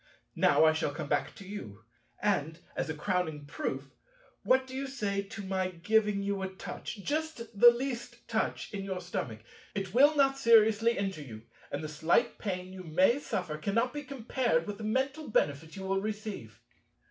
Now I shall come back to you. And, as a crowning proof, what do you say to my giving you a touch, just the least touch, in your stomach? It will not seriously injure you, and the slight pain you may suffer cannot be compared with the mental benefit you will receive."